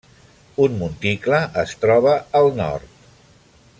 Un monticle es troba al nord.